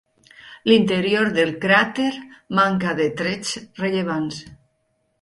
L'interior del cràter manca de trets rellevants.